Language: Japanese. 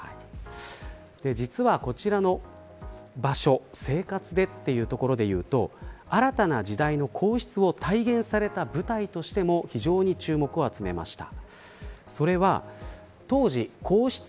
実はこちらの場所生活でというところで言うと新たな時代の皇室を体現された舞台としても非常に注目を集めました。